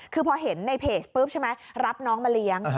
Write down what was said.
คือพอเห็นในเพจปุ๊บใช่ไหมรับน้องมาเลี้ยง